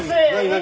何？